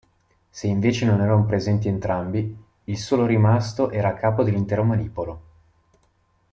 Se invece non erano presenti entrambi, il solo rimasto era a capo dell'intero manipolo.